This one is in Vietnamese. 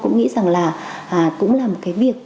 cũng nghĩ rằng là cũng là một cái việc